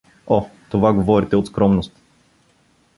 — О, това говорите от скромност.